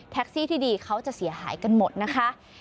ที่ดีเขาจะเสียหายกันหมดนะคะ